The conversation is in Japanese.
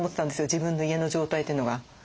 自分の家の状態というのが。